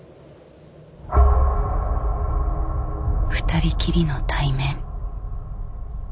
２人きりの対面。